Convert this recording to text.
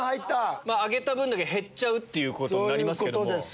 あげた分だけ減っちゃうことになりますけども。